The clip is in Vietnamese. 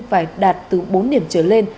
phải đạt từ bốn điểm trở lên